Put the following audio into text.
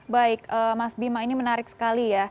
baik mas bima ini menarik sekali ya